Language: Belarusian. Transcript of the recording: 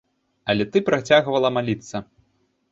Але ты працягвала маліцца.